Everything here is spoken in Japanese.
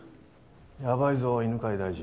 ヤバいぞ犬飼大臣。